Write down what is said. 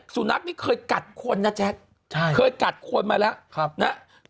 สุนัขนี่เคยกัดคนนะแจ๊คใช่เคยกัดคนมาแล้ว